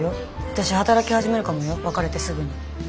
私働き始めるかもよ別れてすぐに。